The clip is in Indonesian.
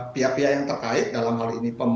pihak pihak yang terkait dalam hal ini